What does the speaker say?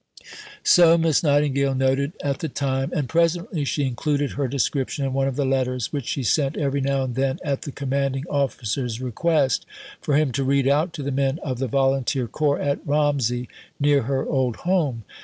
So Miss Nightingale noted at the time, and presently she included her description in one of the letters which she sent every now and then at the Commanding Officer's request for him to read out to the men of the Volunteer Corps at Romsey, near her old home.